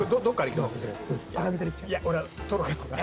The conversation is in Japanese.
いや俺トロから。